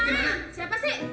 dimana siapa sih